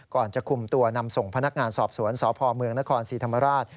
ก่อนจะคุมตัวนำส่งพนักงานสอบสวนสพเมืองนครศรีธรรมราช